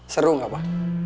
seru gak pa